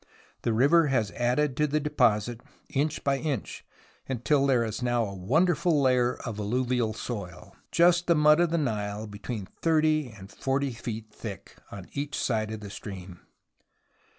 The river has added to the deposit inch by inch, until there is now a wonderful layer of alluvial soil : just the mud of the Nile, between 30 and 40 feet thick on each side of the stream.